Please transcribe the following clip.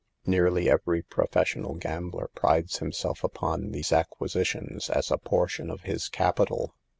Nearly every professional gambler prides himself upon these acquisitions as a portion of his capital.